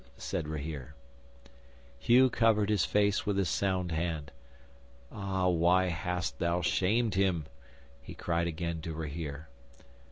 said Rahere. 'Hugh covered his face with his sound hand. "Ah, why hast thou shamed him?" he cried again to Rahere.